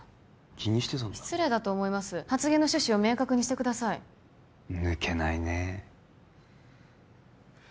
気にしてたんだ失礼だと思います発言の趣旨を明確にしてください抜けないねえ